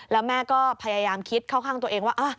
แล้วแม่ก็พยายามคิดเข้าข้างตัวเองว่า